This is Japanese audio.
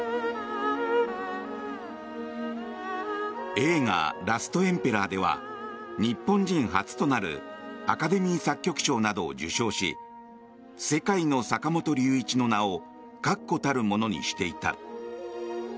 映画「ラストエンペラー」では日本人初となるアカデミー作曲賞などを受賞し世界の坂本龍一の名を確固たるものとしていた。